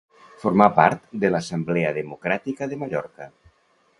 Formà part de l'Assemblea Democràtica de Mallorca.